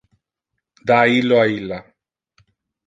Da illo a illa.